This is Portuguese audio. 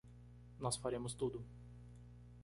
Nós faremos tudo.